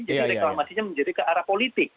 jadi reklamasinya menjadi ke arah politik